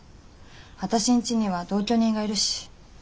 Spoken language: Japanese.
私んちには同居人がいるし。